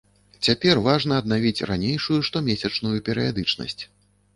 Цяпер важна аднавіць ранейшую штомесячную перыядычнасць.